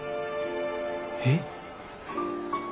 えっ？